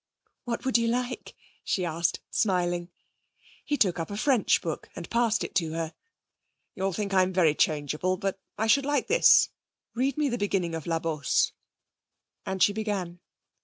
'What would you like?' she asked, smiling. He took up a French book and passed it to her. 'You'll think I'm very changeable, but I should like this. Read me the beginning of La Bos.' And she began.